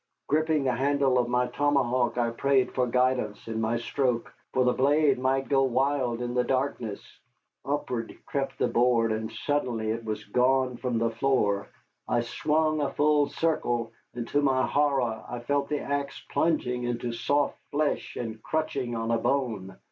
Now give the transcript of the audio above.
Gripping the handle of my tomahawk, I prayed for guidance in my stroke, for the blade might go wild in the darkness. Upward crept the board, and suddenly it was gone from the floor. I swung a full circle and to my horror I felt the axe plunging into soft flesh and crunching on a bone.